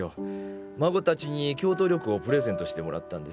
孫たちに京都旅行をプレゼントしてもらったんです。